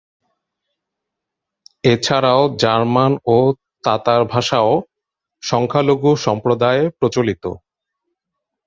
এছাড়াও জার্মান ও তাতার ভাষাও সংখ্যালঘু সম্প্রদায়ে প্রচলিত।